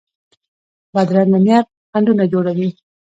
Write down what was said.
بدرنګه نیت خنډونه جوړوي